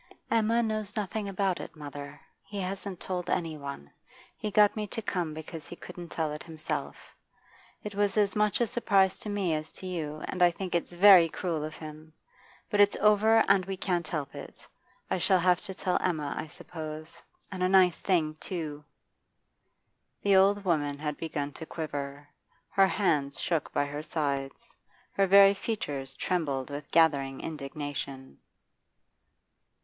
'Emma knows nothing about it, mother. He hasn't told any one. He got me to come because he couldn't tell it himself. It was as much a surprise to me as to you, and I think it's very cruel of him. But it's over, and we can't help it. I shall have to tell Emma, I suppose, and a nice thing too!' The old woman had begun to quiver; her hands shook by her sides, her very features trembled with gathering indignation.